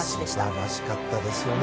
素晴らしかったですよね。